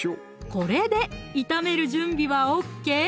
これで炒める準備はＯＫ！